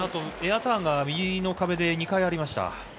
エアターンが右の壁で２回ありました。